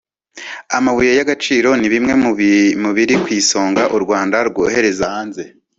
amabuye y’agaciro ni bimwe mu biri ku isonga u Rwanda rwohereza hanze